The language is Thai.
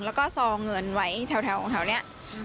และซองเงินไว้แถวเข่านี้